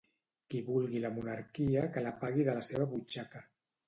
Qui vulgui la monarquia que la pagui de la seva butxaca